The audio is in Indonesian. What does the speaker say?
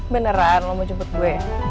beneran lo mau jemput gue